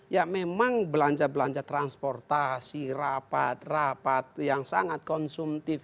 ya memang belanja belanja transportasi rapat rapat yang sangat konsumtif